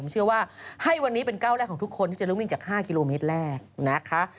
เชื่อว่าให้วันนี้เป็นก้าวแรกของทุกคนที่จะลุกวิ่งจาก๕กิโลเมตรแรกนะคะ